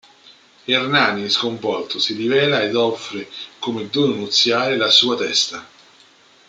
Ernani sconvolto si rivela ed offre come dono nuziale la sua testa.